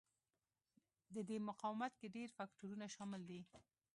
د دې مقاومت کې ډېر فکټورونه شامل دي.